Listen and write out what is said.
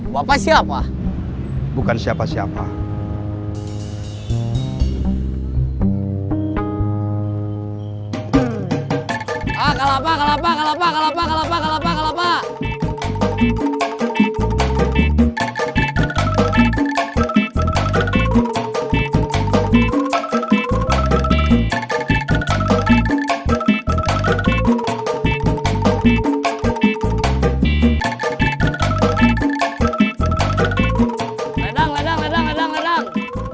ledang ledang ledang ledang ledang